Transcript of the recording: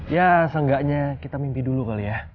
ya seenggaknya kita mimpi dulu kali ya